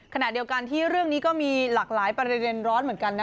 ขณะเดียวกันที่เรื่องนี้ก็มีหลากหลายประเด็นร้อนเหมือนกันนะ